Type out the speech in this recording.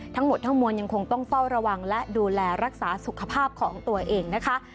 ทั้งหมดทั้งมวลยังคงต้องเฝ้าระวังและดูแลรักษาสุขภาพของตัวเองนะคะ